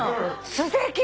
すてき。